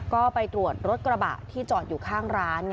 ก็ไปตรวจรถกระบะที่จอดอยู่ข้างร้าน